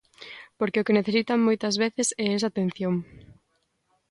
Porque o que necesitan moitas veces é esa atención.